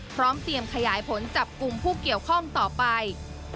พร้อมเตรียมขยายผลจับกลุ่มผู้เกี่ยวข้องต่อไป